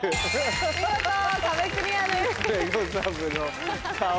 見事壁クリアです。